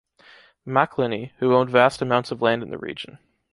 Macclenny, who owned vast amounts of land in the region.